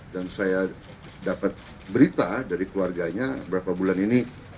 dan saya dapat berita dari keluarganya berapa bulan ini